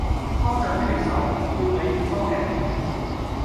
拖著你的手，叫你要多吃點